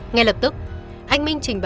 ngay lập tức anh minh trình báo